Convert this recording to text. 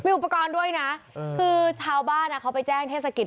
อุปกรณ์ด้วยนะคือชาวบ้านเขาไปแจ้งเทศกิจ